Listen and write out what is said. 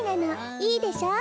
いいでしょ？